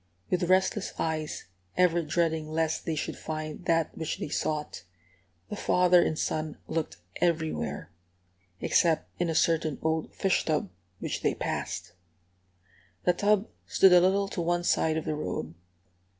With restless eyes, ever dreading lest they should find that which they sought, the father and son looked everywhere, except in a certain old fish tub which they passed. The tub stood a little to one side of the road.